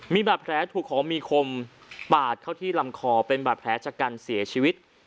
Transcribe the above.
มีบาดแผลถูกของมีคมปาดเข้าที่ลำคอเป็นบาดแผลชะกันเสียชีวิต